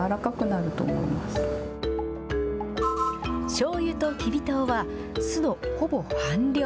しょうゆとキビ糖は、酢のほぼ半量。